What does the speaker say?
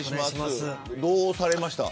どうされました。